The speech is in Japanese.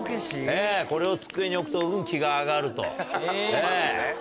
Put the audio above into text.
これを机に置くと運気が上がると。